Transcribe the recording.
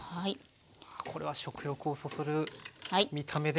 これは食欲をそそる見た目ですね。